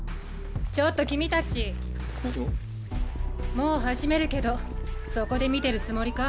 もう始めるけどそこで見てるつもりか？